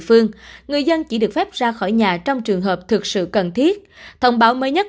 phương người dân chỉ được phép ra khỏi nhà trong trường hợp thực sự cần thiết thông báo mới nhất